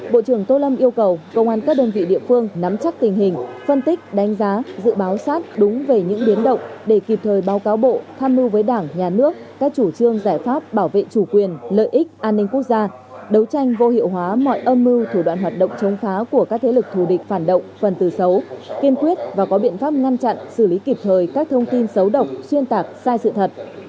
bộ trưởng tô lâm yêu cầu công an các đơn vị địa phương nắm chắc tình hình phân tích đánh giá dự báo sát đúng về những biến động để kịp thời báo cáo bộ tham mưu với đảng nhà nước các chủ trương giải pháp bảo vệ chủ quyền lợi ích an ninh quốc gia đấu tranh vô hiệu hóa mọi âm mưu thủ đoạn hoạt động chống phá của các thế lực thù địch phản động phần từ xấu kiên quyết và có biện pháp ngăn chặn xử lý kịp thời các thông tin xấu độc xuyên tạc sai sự thật